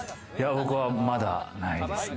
僕はまだないですね。